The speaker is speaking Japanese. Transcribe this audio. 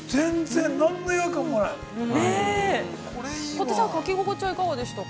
◆小手さん、書き心地はいかがでしたか。